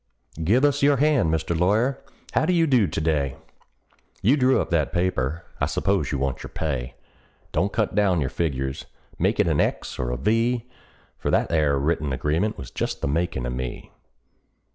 "GIVE US YOUR HAND, MR. LAWYER: HOW DO YOU DO TO DAY?" You drew up that paper I s'pose you want your pay. Don't cut down your figures; make it an X or a V; For that 'ere written agreement was just the makin' of me.